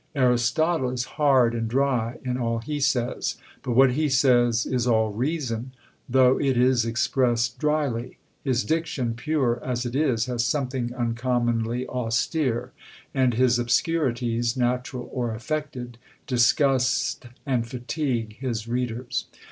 Aristotle is hard and dry in all he says, but what he says is all reason, though it is expressed drily: his diction, pure as it is, has something uncommonly austere; and his obscurities, natural or affected, disgust and fatigue his readers.